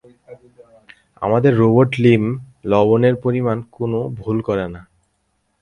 আমাদের রোবট লীম লবণের পরিমাণে কোনো ভুল করে না।